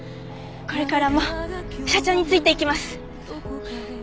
これからも社長についていきます。